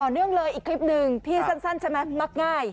เนื่องเลยอีกคลิปหนึ่งที่สั้นใช่ไหมมักง่าย